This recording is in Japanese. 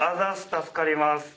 助かります。